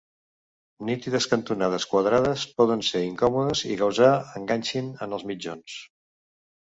Nítides cantonades quadrades poden ser incòmodes i causar enganxin en els mitjons.